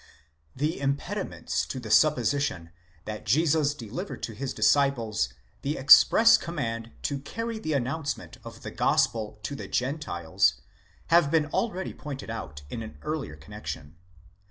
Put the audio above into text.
The impediments to the supposition that Jesus delivered to his disciples the express command to carry the announcement of the gospel to the Gentiles, have been already pointed out in an earlier connexion.!